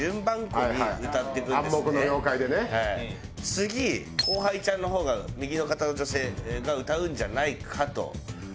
次後輩ちゃんの方が右の方の女性が歌うんじゃないかと。